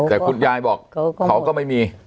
แต่คุณยายบอกเขาก็ไม่มี